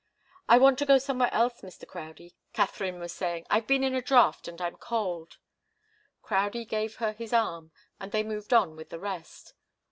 "I want to go somewhere else, Mr. Crowdie," Katharine was saying. "I've been in a draught, and I'm cold." Crowdie gave her his arm, and they moved on with the rest.